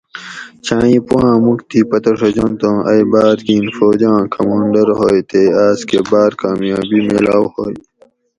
چھاں ایں پواں مؤک تھی پتہ ڛجنت اوں ائ باۤر گین فوجاۤں کمانڈر ھوئ تے آس کہ باۤر کامیابی میلاؤ ھوئ